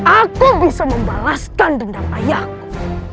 aku bisa membalaskan dendam ayahku